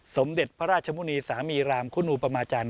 สมเด็จพระราชมุณีสามีรามคุณูปมาจันท